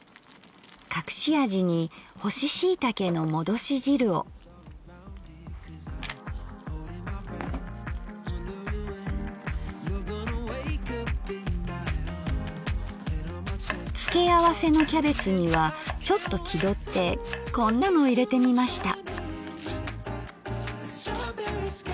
隠し味に付け合わせのキャベツにはちょっと気取ってこんなの入れてみました。